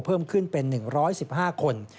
เพิ่มขึ้นเป็น๑๑๕คน